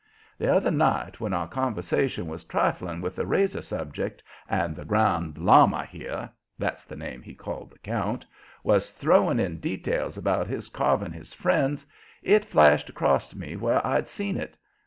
The other night when our conversation was trifling with the razor subject and the Grand Lama here" that's the name he called the count "was throwing in details about his carving his friends, it flashed across me where I'd seen it.